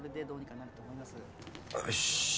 よし。